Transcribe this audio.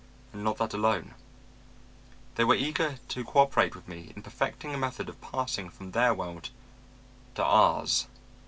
'And not that alone: they were eager to cooperate with me in perfecting a method of passing from their world to ours!